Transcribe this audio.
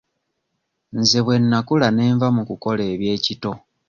Nze bwe nnakula ne nva mu kukola eby'ekito.